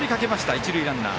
一塁ランナー。